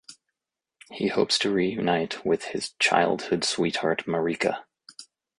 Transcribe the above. He hopes to reunite with his childhood sweetheart Marika.